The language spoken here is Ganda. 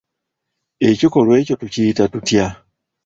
Ekikolwa ekyo tukiyita tutya?